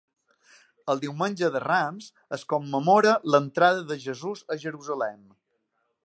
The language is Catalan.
El Diumenge de Rams es commemora l'Entrada de Jesús a Jerusalem.